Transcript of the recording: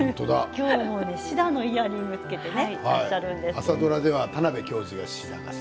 今日はシダのイヤリングをつけていらっしゃるんですね。